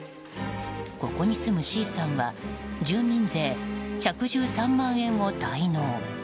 ここに住むＣさんは住民税１１３万円を滞納。